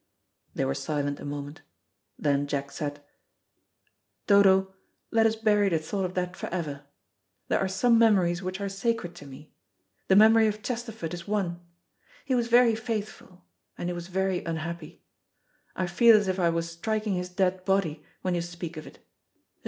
They were silent a moment. Then Jack said, "Dodo, let us bury the thought of that for ever. There are some memories which are sacred to me. The memory of Chesterford is one. He was very faithful, and he was very unhappy. I feel as if I was striking his dead body when you speak of it.